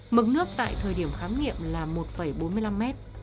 mực nước tại thời điểm kháng nghiệm là một bốn mươi năm m